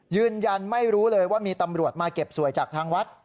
ยืนยันไม่รู้เลยว่ามีตำรวจมาเก็บสวยจากทางวัด